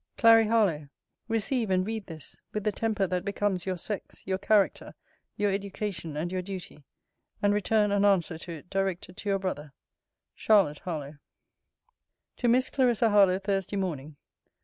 CLARY HARLOWE, Receive and read this, with the temper that becomes your sex, your character, your education, and your duty: and return an answer to it, directed to your brother. CHARLOTTE HARLOWE. TO MISS CLARISSA HARLOWE THURSDAY MORNING.